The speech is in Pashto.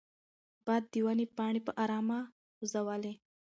باد د ونې پاڼې په ارامه خوځولې.